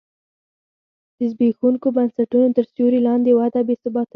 د زبېښونکو بنسټونو تر سیوري لاندې وده بې ثباته وي.